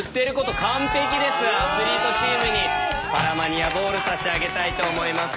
アスリートチームにパラマニアボール差し上げたいと思います。